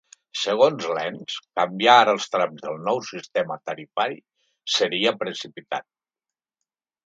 Segons l’ens, canviar ara els trams del nou sistema tarifari “seria precipitat”.